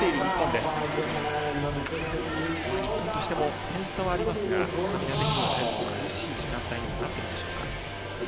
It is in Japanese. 日本としても点差はありますがスタミナなど苦しい時間帯になってきました。